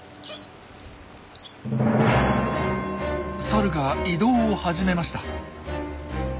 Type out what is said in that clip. サルが移動を始めました。